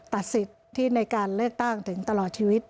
ตัดสิทธิ์ที่ในการเลือกตั้งถึงตลอดชีวิต